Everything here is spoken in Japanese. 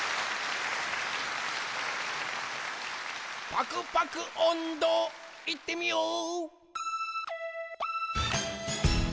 パクパクおんど、いってみよう！